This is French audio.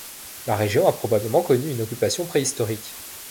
La région a probablement connu une occupation préhistorique.